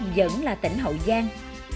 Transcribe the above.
vẫn là tỉnh hậu giang